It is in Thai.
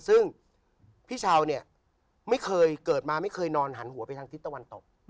ซึ่งพี่เช้าเนี่ยไม่เคยเกิดมาไม่เคยนอนหันหัวไปทางทิศตะวันตก